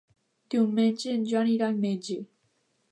Diumenge en Joan irà al metge.